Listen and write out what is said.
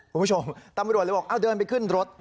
คุณผู้ชมตำรวจเลยบอกเอาเดินไปขึ้นรถ